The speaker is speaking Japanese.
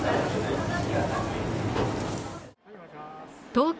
東京